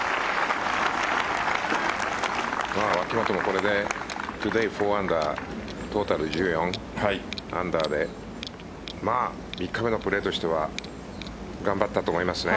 脇元もこれでトゥデイ４アンダートータル１４アンダーで３日目のプレーとしては頑張ったと思いますね。